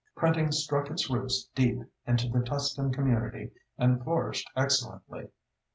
Printing struck its roots deep into the Tuscan community and flourished excellently.